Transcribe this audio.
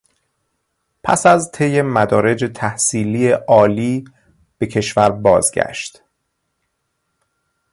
پس از طی مدارج تحصیلی عالی به کشور بازگشت